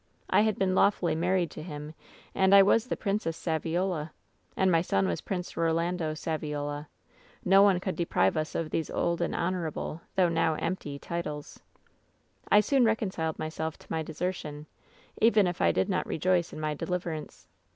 I had been lawfully married to him, and I was the Princess Saviola. And my son was Prince Eolando Saviola. No one could deprive us of these old and honorable, though now empty, titles. ^^I soon reconciled myself to my desertion, even if I did not rejoice in my deliverance.